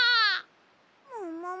ももも？